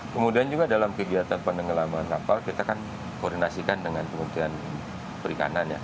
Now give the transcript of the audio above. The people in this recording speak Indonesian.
kemudian juga dalam kegiatan penenggelaman kapal kita kan koordinasikan dengan kementerian perikanan ya